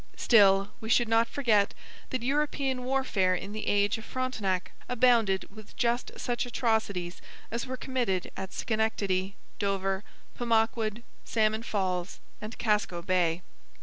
Still, we should not forget that European warfare in the age of Frontenac abounded with just such atrocities as were committed at Schenectady, Dover, Pemaquid, Salmon Falls, and Casco Bay.